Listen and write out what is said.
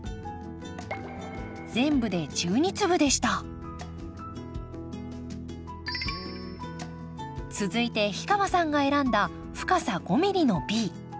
全部で１２粒でした続いて氷川さんが選んだ深さ５ｍｍのＢ。